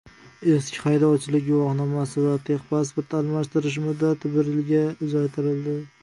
Eski haydovchilik guvohnomasi va «texpasport» almashtirish muddati bir yilga uzaytirildi